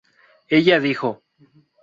Ella dijo